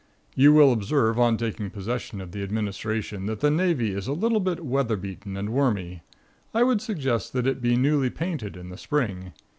You will observe on taking possession of the administration, that the navy is a little bit weather beaten and wormy. I would suggest that it be newly painted in the spring.